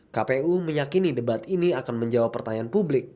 kpu meyakini debat ini akan menjawab pertanyaan publik